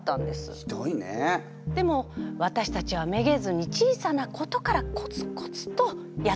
でもわたしたちはめげずに小さなことからコツコツとやっていきました。